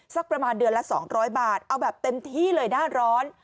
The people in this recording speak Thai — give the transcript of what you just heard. สักประมาณเดือนละ๒๐๐บาทเอาแบบเต็มที่เลยหน้าร้อน